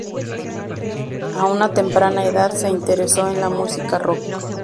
A una temprana edad se interesó en la música "rock".